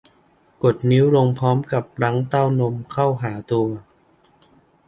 กดนิ้วลงพร้อมกับรั้งเต้านมเข้าหาตัว